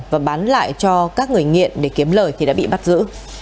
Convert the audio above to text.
và bán lại cho các người nghiện để kiếm lời thì đã bị bắt giữ